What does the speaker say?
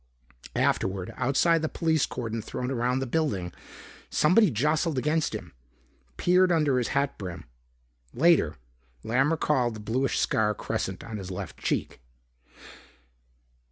Afterward, outside the police cordon thrown around the building, somebody jostled against him, peered under his hat brim. Later, Lamb recalled the bluish scar crescent on his left cheek.